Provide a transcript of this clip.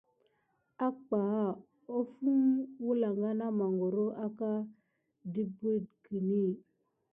Apànha hofŋu wulanga na mangoro aka de békiguni.